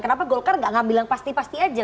kenapa golkar gak bilang pasti pasti aja